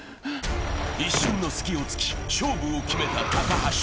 一瞬の隙を突き勝負を決めた高橋。